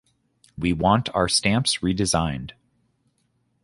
We want our stamps redesigned.